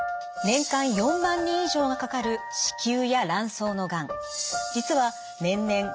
年間４万人以上がかかる子宮や卵巣のがん。